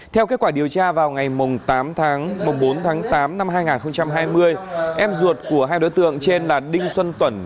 theo kết quả điều tra vào ngày tám tháng bốn tháng tám năm hai nghìn hai mươi em ruột của hai đối tượng trên là đinh xuân tuẩn